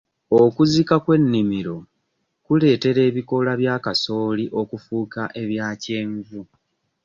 Okuzika kw'ennimiro kuleetera ebikoola bya kasooli okufuuka ebya kyenvu.